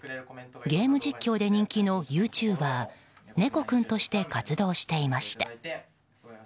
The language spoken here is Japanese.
ゲーム実況で人気のユーチューバーねこくん！として活動していました。